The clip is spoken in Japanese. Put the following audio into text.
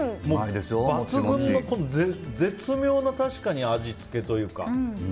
抜群の、絶妙な味付けというか。